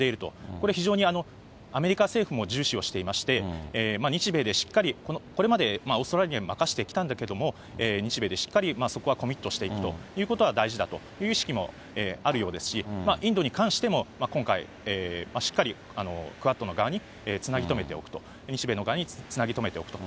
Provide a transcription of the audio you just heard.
これ非常にアメリカ政府も重視をしていまして、日米でしっかり、これまでオーストラリアに任せてきたんだけれども、日米でしっかりそこはコミットしていくということが大事だという意識もあるようですし、インドに関しても今回、しっかりクアッドの側につなぎとめておくと、日米の側につなぎ止めておくと。